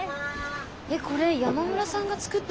えっこれ山村さんが作ったんですか？